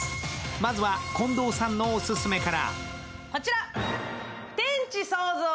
まずは、近藤さんのオススメから。